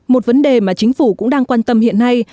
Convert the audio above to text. một vấn đề mà chính phủ cũng đang quan tâm hiện nay